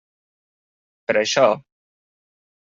Per això.